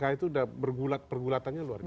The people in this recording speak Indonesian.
jadi mk itu udah bergulat pergulatannya luar biasa